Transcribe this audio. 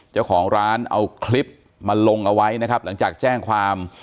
เจ้าของร้านเอาคลิปมาลงเอาไว้นะครับหลังจากแจ้งความ